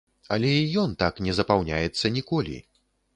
Але і ён так не запаўняецца ніколі!